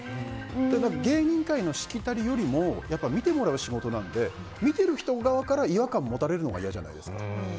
芸人界のしきたりよりも見てもらう仕事なので見てる人側から違和感持たれるほうが嫌じゃないですか。